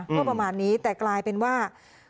ก็ประมาณนี้แต่กลายเป็นว่า